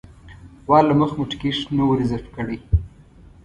وار له مخه مو ټکټ نه و ریزرف کړی.